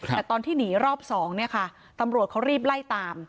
แต่ตอนที่หนีรอบสองเนี่ยค่ะตำรวจเขารีบไล่ตาม